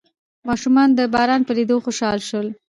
ماشومان د باران په لیدو خوشحال شول.